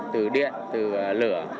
từ điện từ lửa